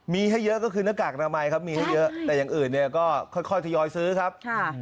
มีให้เยอะก็คือหน้ากากอนามัยครับมีให้เยอะแต่อย่างอื่นเนี่ยก็ค่อยทยอยซื้อครับ